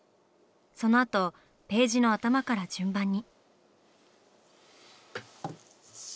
そのあとページの頭から順番に。